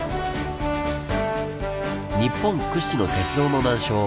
日本屈指の鉄道の難所